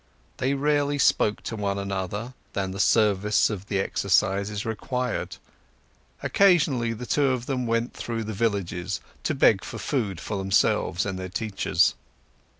They rarely spoke to one another, than the service and the exercises required. Occasionally the two of them went through the villages, to beg for food for themselves and their teachers.